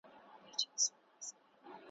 چي شهید مي په لحد کي په نازیږي `